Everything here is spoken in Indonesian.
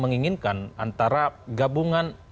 menginginkan antara gabungan